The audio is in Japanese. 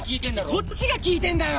こっちが聞いてんだよ！